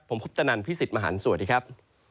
ผมคุปตนันพี่สิทธิ์มหันฯสวัสดีครับ